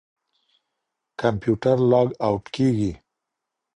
کمپيوټر لاګ آوټ کېږي.